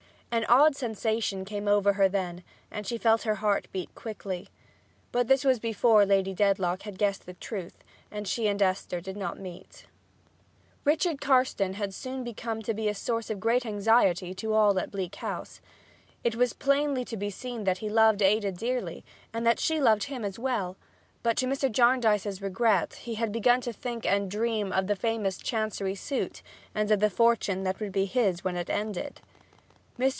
An odd sensation came over her then and she felt her heart beat quickly. But this was before Lady Dedlock had guessed the truth, and Esther and she did not meet. Richard Carstone had soon begun to be a source of great anxiety to all at Bleak House. It was plainly to be seen that he loved Ada dearly, and that she loved him as well, but to Mr. Jarndyce's regret he had begun to think and dream of the famous chancery suit and of the fortune that would be his when it ended. Mr.